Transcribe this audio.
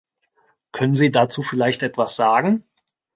Können Sie dazu vielleicht etwas sagen?